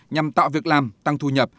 nhằm tạo việc làm tăng thu nhập